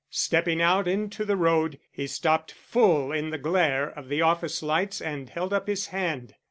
Stepping out into the road, he stopped full in the glare of the office lights and held up his hand.